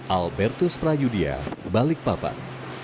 albertus prayudia balikpapan